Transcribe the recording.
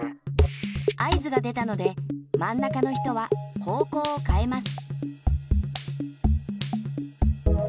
合図がでたのでまん中の人は方こうをかえます。